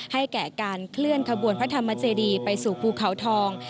แก่การเคลื่อนขบวนพระธรรมเจดีไปสู่ภูเขาทอง